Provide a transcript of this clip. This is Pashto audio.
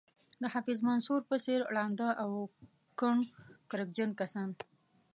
د حفیظ منصور په څېر ړانده او کڼ کرکجن کسان.